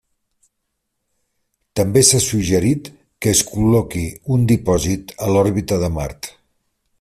També s'ha suggerit que es col·loqui un dipòsit a l'òrbita de Mart.